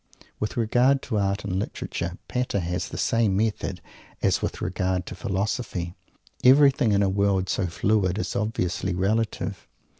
With regard to Art and Literature, Pater has the same method as with regard to Philosophy. Everything in a world so fluid is obviously relative.